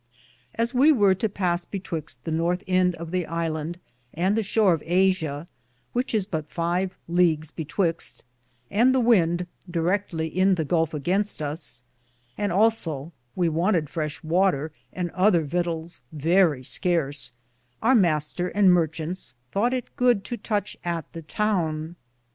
As we weare to pass betwyxt the northe end of the Ilande and the shore of Asia, which is but 5 leagues betwyxte, and the wynd direcktly in ye gulfe againste us, and also we wantede freshe water and other vitals verrie scarce, our Mr. and marchantes thoughte it good to touche at the towne.